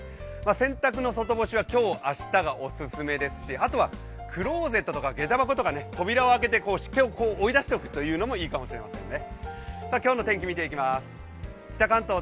洗濯の外干しは今日、明日がお勧めですしあとはクローゼットとかげた箱とか扉を開けて湿気を追い出しておくというのもいいかもしれませんね。